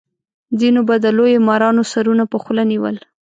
ځینو به د لویو مارانو سرونه په خوله نیول.